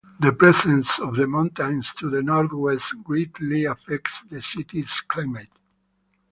The presence of the mountains to the northwest greatly affects the city's climate.